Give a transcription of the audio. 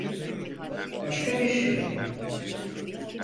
Başka bir şey olmalı.